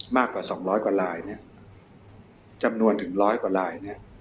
มากกว่าสองร้อยกว่าร้ายเนี้ยจำนวนตื้นร้อยกว่าร้ายเนี้ย